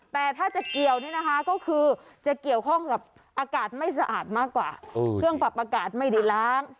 แต่ถ้าจะเกี่ยวนี่นะคะก็คือจะเกี่ยวข้องกับอากาศไม่สะอาดมากกว่าเครื่องปรับอากาศไม่ได้ล้าง